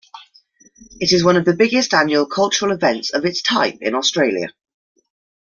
It is one of the biggest annual cultural events of its type in Australia.